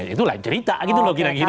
itulah cerita gitu loh kira kira